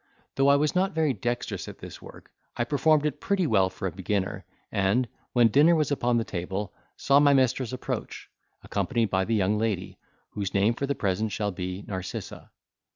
Though I was not very dexterous at this work, I performed it pretty well for a beginner, and, when dinner was upon the table, saw my mistress approach, accompanied by the young lady, whose name for the present shall be Narcissa.